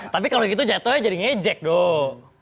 tapi kalau gitu jatuhnya jadi ngejek dong